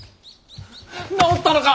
治ったのか！